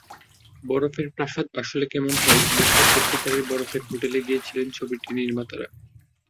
বরফের প্রাসাদ আসলে কেমন হয়, বুঝতে সত্যিকারের বরফের হোটেলে গিয়েছিলেন ছবিটির নির্মাতারা।